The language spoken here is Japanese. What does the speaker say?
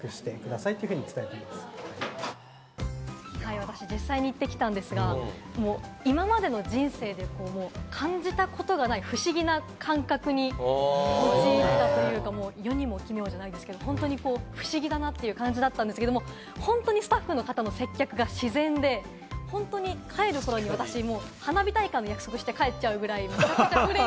私、実際に行ってきたんですが、今までの人生で感じたことがない不思議な感覚に陥ったというか、世にも奇妙じゃないですけど、本当に不思議だなという感じだったんですけど、本当にスタッフの方の接客が自然で、本当に帰る頃に私、花火大会の約束して帰っちゃうぐらい。